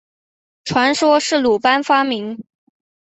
传说是鲁班发明。